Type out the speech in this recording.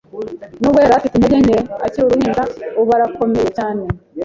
Nubwo yari afite intege nke akiri uruhinja, ubu arakomeye cyane.